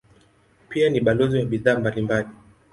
Pia ni balozi wa bidhaa mbalimbali.